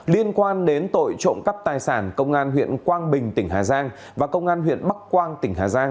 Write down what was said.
liên quan đến tội trộm cắp tài sản công an huyện quang bình tỉnh hà giang và công an huyện bắc quang tỉnh hà giang